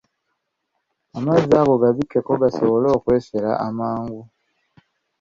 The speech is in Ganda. Amazzi ago gabikkeko gasobole okwesera amangu.